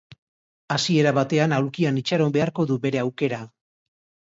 Hasiera batean aulkian itxaron beharko du bere aukera.